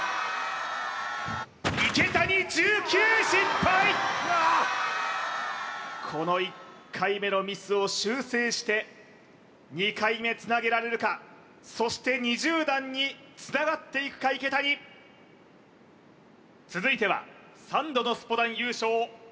失敗ああこの１回目のミスを修正して２回目つなげられるかそして２０段につながっていくか池谷続いては３度のスポダン優勝